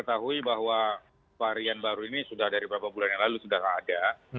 kita ketahui bahwa varian baru ini sudah dari beberapa bulan yang lalu sudah ada